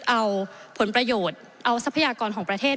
เอาผลประโยชน์เอาทรัพยากรของประเทศ